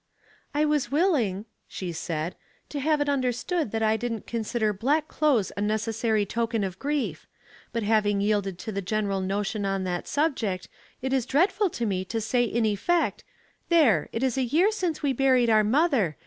" I was willing," she said, " to have it under stood that I didn't consider l)lack clothes a nec essary token of grief; but having yielded to the general notion on that subject, it is dreadful to me to say in effect, ' There ! it is a year since we buried our mother.